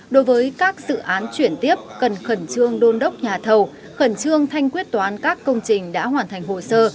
đối với các dự án chuyển tiếp cần khẩn trương đôn đốc nhà thầu khẩn trương thanh quyết toán các công trình đã hoàn thành hồ sơ